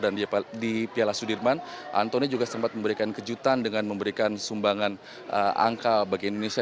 dan di piala sudirman antoni juga sempat memberikan kejutan dengan memberikan sumbangan angka bagi indonesia